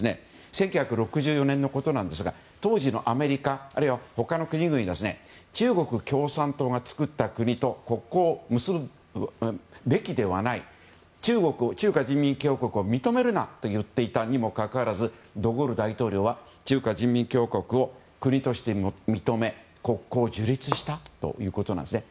１９６４年のことですが当時のアメリカあるいは、他の国々が中国共産党が作った国と国交を結ぶべきではない中華人民共和国を認めるなといっていたにもかかわらずド・ゴール大統領は中華人民共和国を国として認め国交を樹立したということなんですね。